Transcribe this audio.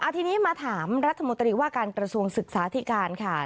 ทีนี้มาถามรัฐมนตรีว่าการกระทรวงศึกษาธิการค่ะ